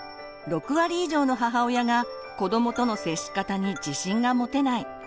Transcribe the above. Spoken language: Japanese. ６割以上の母親が子どもとの接し方に自信が持てない。